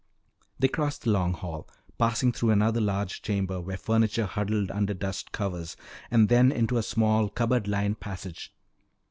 They crossed the Long Hall, passing through another large chamber where furniture huddled under dust covers, and then into a small cupboard lined passage.